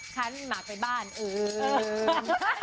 ขันมากไปบ้านเอิง